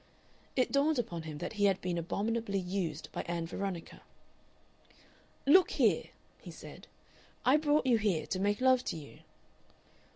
It dawned upon him that he had been abominably used by Ann Veronica. "Look here," he said, "I brought you here to make love to you."